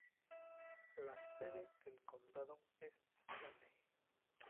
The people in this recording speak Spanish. La sede del condado es Stanley.